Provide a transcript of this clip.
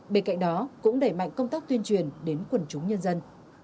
bên cạnh đó cũng đẩy mạnh công tác tuyên truyền đến quần chúng nhân dân